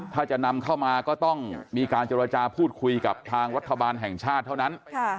ถ้าจะนำเข้ามาก็ต้องมีการเจรจาพูดคุยกับทางรัฐบาลแห่งชาติเท่านั้น